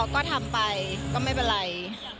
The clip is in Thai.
ก็ทำไปก็ไม่เป็นไร